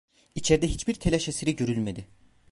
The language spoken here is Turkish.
İçerde hiç bir telaş eseri görülmedi.